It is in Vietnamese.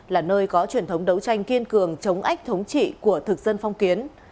là nơi có truyền thống đấu tranh kiên cường chống ách thống trị của thực dân phong kiến